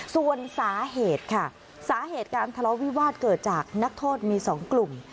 ส่วนสาเหตุค่ะสาเหตุการทะเลาะวิวาสเกิดจากนักโทษมี๒กลุ่ม